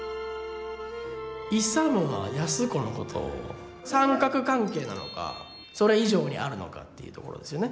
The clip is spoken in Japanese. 勇は安子のことを三角関係なのかそれ以上にあるのかっていうところですよね。